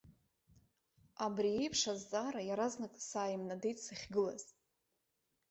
Абри еиԥш азҵаара иаразнак сааимнадеит сахьгылаз.